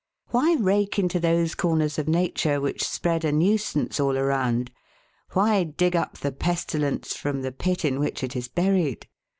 Why rake into those corners of nature which spread a nuisance all around? Why dig up the pestilence from the pit in which it is buried?